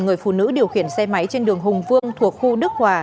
người phụ nữ điều khiển xe máy trên đường hùng vương thuộc khu đức hòa